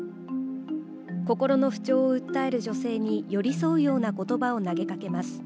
心の不調を訴える女性に寄り添うようなことばを投げかけます。